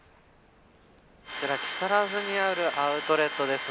こちら木更津にあるアウトレットです。